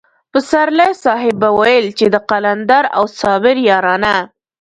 پسرلی صاحب به ويل چې د قلندر او صابر يارانه.